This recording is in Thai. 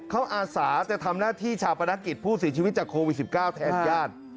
เขาอาสาจะทำหน้าที่ชาปนกิจผู้เสียชีวิตจากโควิด๑๙แทนญาติ